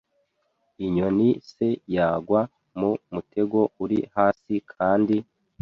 Inyoni se yagwa mu mutego uri hasi kandi